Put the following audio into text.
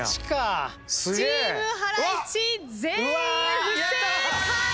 チームハライチ全員不正解！